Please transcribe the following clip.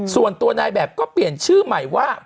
ส่วนตัวนายแบบก็เปลี่ยนชื่อใหม่ว่า